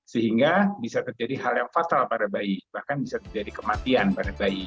sehingga bisa terjadi hal yang fatal pada bayi bahkan bisa terjadi kematian pada bayi